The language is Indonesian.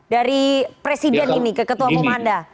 dari presiden ini ke ketua pemanda